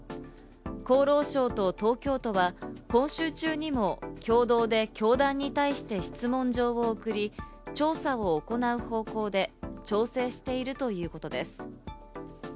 厚労省と東京都は、今週中にも共同で教団に対して質問状を送り、調査を行う方向で調整しているということです。